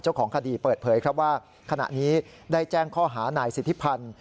เจ้าของคดีเปิดเผยครับว่าขณะนี้ได้แจ้งข้อหานายสิทธิพันธ์